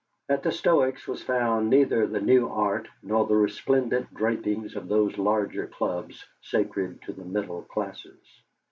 At the Stoics' was found neither the new art nor the resplendent drapings of those larger clubs sacred to the middle classes.